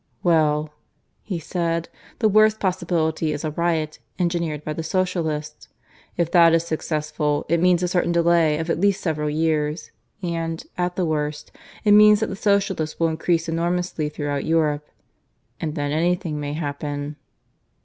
"Well," he said, "the worst possibility is a riot, engineered by the Socialists. If that is successful, it means a certain delay of at least several years; and, at the worst, it means that the Socialists will increase enormously throughout Europe. And then anything may happen."